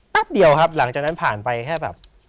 เดียวครับหลังจากนั้นผ่านไปแค่แบบ